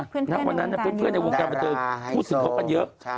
เพื่อนในวงการผู้สึกของเขาก็เยอะ